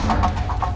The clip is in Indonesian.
aku mau ke rumah